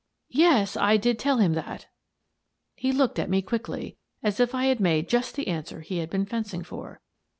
" Yes, I did tell him that." He looked at me quickly, as if I had made just the answer he had been fencing for.